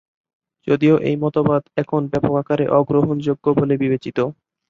যদিও এই মতবাদ এখন ব্যাপক আকারে অগ্রহণযোগ্য বলে বিবেচিত।